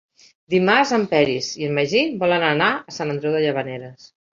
Dimarts en Peris i en Magí volen anar a Sant Andreu de Llavaneres.